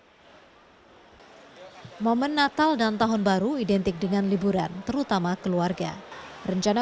hai momen natal dan tahun baru identik dengan liburan terutama keluarga rencana